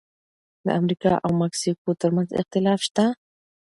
د امریکا او مکسیکو ترمنځ اختلاف شته.